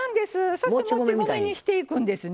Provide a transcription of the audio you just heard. そしてもち米にしていくんですね。